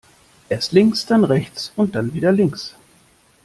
Erst links, dann rechts und dann wieder links.